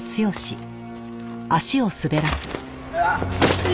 うわあっ！